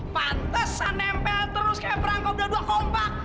pantesan nempel terus kayak perangkau berdua kompak